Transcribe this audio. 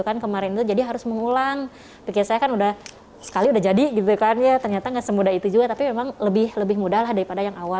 kan kemarin itu jadi harus mengulang pikir saya kan udah sekali udah jadi gitu kan ya ternyata gak semudah itu juga tapi memang lebih mudah lah daripada yang awal